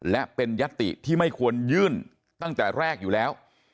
และเป็นยัตติที่ไม่ควรยื่นตั้งแต่แรกอยู่แล้ว